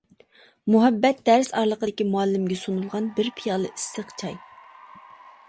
مۇھەببەت دەرس ئارىلىقىدىكى مۇئەللىمگە سۇنۇلغان بىر پىيالە ئىسسىق چاي.